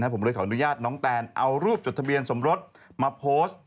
ผมเลยขออนุญาตน้องแตนเอารูปจดทะเบียนสมรสมาโพสต์